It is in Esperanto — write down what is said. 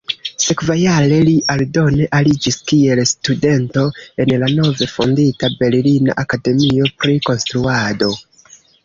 Sekvajare li aldone aliĝis kiel studento en la nove fondita Berlina Akademio pri Konstruado.